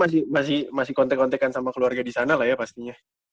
masih kontek kontekan sama keluarga di sana lah ya pastinya